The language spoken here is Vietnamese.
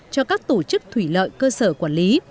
cho các tổ chức thủy lợi cơ sở quản lý